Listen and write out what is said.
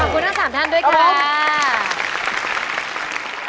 ขอบคุณทั้ง๓ท่านด้วยค่ะ